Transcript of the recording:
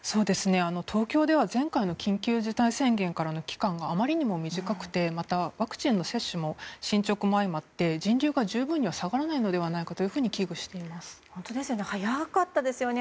東京では前回の緊急事態宣言からの期間があまりにも短くてワクチンの接種の進捗も相まって人流が十分に下がらないのではないかと早かったですよね。